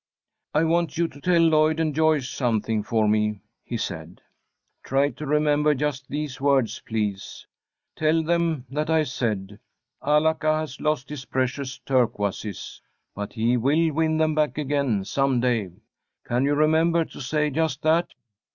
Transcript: "I want you to tell Lloyd and Joyce something for me," he said. "Try to remember just these words, please. Tell them that I said: 'Alaka has lost his precious turquoises, but he will win them back again, some day!' Can you remember to say just that?"